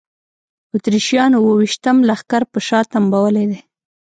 اتریشیانو اوه ویشتم لښکر په شا تنبولی دی.